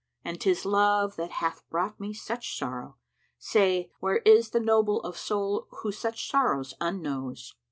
And 'tis Love that hath brought me such sorrow, say where * Is the noble of soul who such sorrow unknows?"